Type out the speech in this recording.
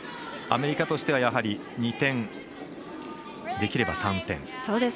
アメリカとしては、やはり２点できれば３点。